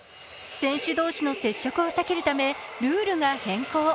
選手同士の接触を避けるためルールが変更。